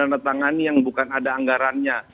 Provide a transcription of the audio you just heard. tanda tangani yang bukan ada anggarannya